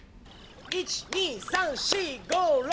１、２、３、４５、６